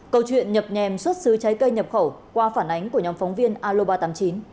câu chuyện nhập nhèm xuất xứ trái cây nhập khẩu qua phản ánh của nhóm phóng viên aloba tám mươi chín